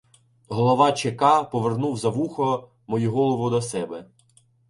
Голова ЧК повернув за вухо мою голову до себе.